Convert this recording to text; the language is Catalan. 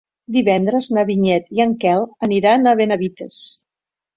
Divendres na Vinyet i en Quel aniran a Benavites.